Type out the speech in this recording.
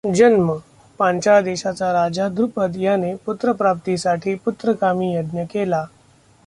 जन्म पांचाळ देशाचा राजा द्रुपदयाने पुत्रप्राप्तीसाठी पुत्रकामी यज्ञ केला.